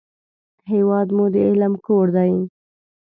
هېواد مو د علم کور دی